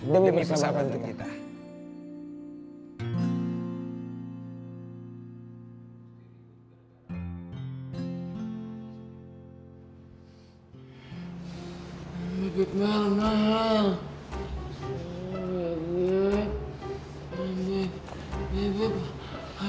demi persahabatan kita